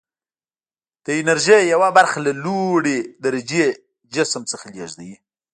د انرژي یوه برخه له لوړې درجې جسم څخه لیږدوي.